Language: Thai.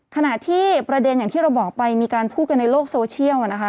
ขณะที่ประเด็นอย่างที่เราบอกไปมีการพูดกันในโลกโซเชียลนะคะ